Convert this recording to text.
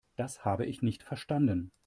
Das habe ich nicht verstanden.